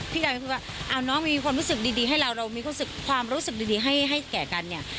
ยายก็พูดว่าเอาน้องมีความรู้สึกดีให้เราเรามีความรู้สึกดีให้แก่กันเนี่ย